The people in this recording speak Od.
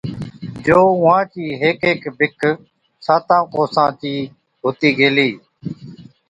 جو اُونهان چِي هيڪ هيڪ بِک ساتان ڪوسان چِي هُتِي گيلِي۔